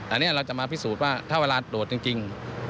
อันนี้เราจะมาพิสูจน์ว่าถ้าเวลาตรวจจริง